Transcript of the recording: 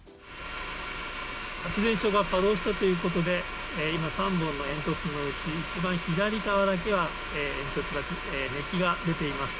発電所が稼働したということで３本の煙突のうち一番左側だけは煙突から熱気が出ています。